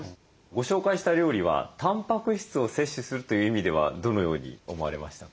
ご紹介した料理はたんぱく質を摂取するという意味ではどのように思われましたか？